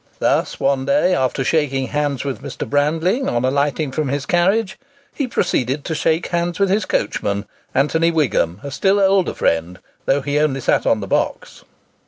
Thus, one day, after shaking hands with Mr. Brandling on alighting from his carriage, he proceeded to shake hands with his coachman, Anthony Wigham, a still older friend, though he only sat on the box.